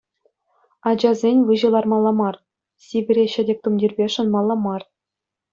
Ачасен выҫӑ лармалла мар, сивӗре ҫӗтӗк тумтирпе шӑнмалла мар.